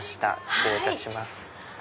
失礼いたします。